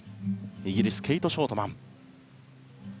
イギリスのケイト・ショートマン。